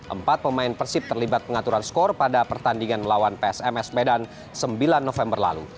empat pemain persib terlibat pengaturan skor pada pertandingan melawan psms medan sembilan november lalu